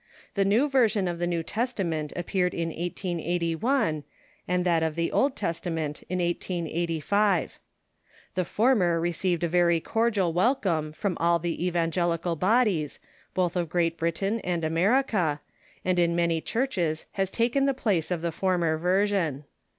The new version of the New Testament appeared in 1881, and that of the Old Testament in 1885. The former received a very cordial Avel Come from all the evangelical bodies, both of Great Britain and America, and in many churches has taken the place of the former version.